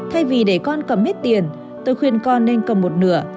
thay vì để con cầm hết tiền tôi khuyên con nên cầm một nửa